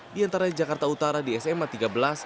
di antara jakarta utara di sma tiga belas